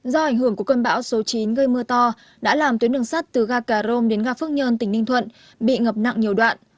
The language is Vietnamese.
do ảnh hưởng của cơn bão số chín gây mưa to đã làm tuyến đường sắt từ ga cà rôm đến ga phước nhơn tỉnh ninh thuận bị ngập nặng nhiều đoạn